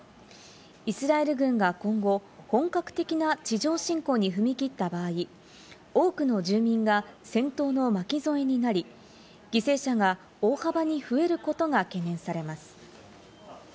イスラエル軍が今後、本格的な地上侵攻に踏み切った場合、多くの住民が戦闘の巻き添えになり犠牲者が大幅に増えることが懸念されます。